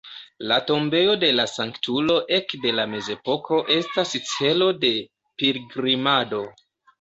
La tombejo de la sanktulo ekde la mezepoko estas celo de pilgrimado.